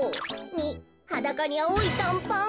２はだかにあおいたんパン。